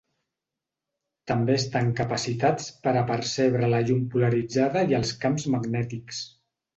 També estan capacitats per a percebre la llum polaritzada i els camps magnètics.